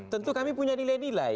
tentu kami punya nilai nilai